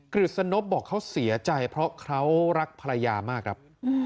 ฤษณบบอกเขาเสียใจเพราะเขารักภรรยามากครับ